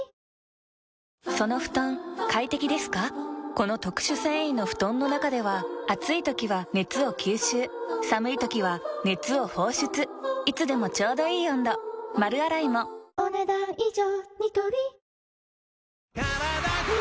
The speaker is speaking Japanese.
この特殊繊維の布団の中では暑い時は熱を吸収寒い時は熱を放出いつでもちょうどいい温度丸洗いもお、ねだん以上。